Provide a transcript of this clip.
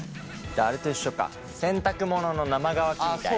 あれと一緒か洗濯物の生乾きみたいなね。